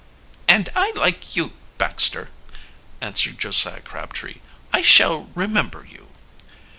"And I like you, Baxter," answered Josiah Crabtree. "I shall remember you."